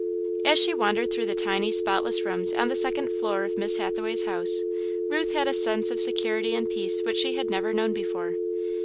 As she wandered through the tiny, spotless rooms on the second floor of Miss Hathaway's house, Ruth had a sense of security and peace which she had never known before.